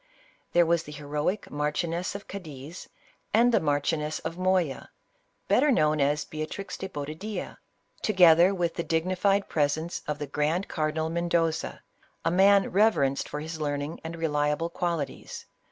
There were the heroic Marchioness of Cadiz, and the Marchioness of Moya, better known as Beatriz de Bobadilla, together with the dignified presence of the grand cardinal Mendoza, a man reverenced for his learning and reliable qualities.